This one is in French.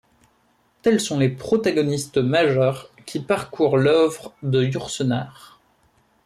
Tels sont les protagonistes majeurs qui parcourent l'œuvre de Yourcenar.